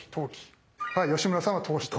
吉村さんは投資と。